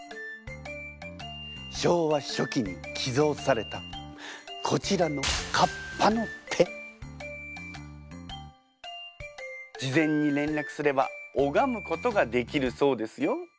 昭和初期に寄贈されたこちらの事前に連絡すれば拝むことができるそうですよ。